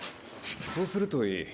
そうするといい。